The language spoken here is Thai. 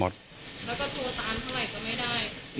แล้วก็โทรตามเท่าไหร่ก็ไม่ได้